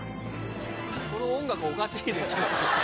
この音楽おかしいでしょ。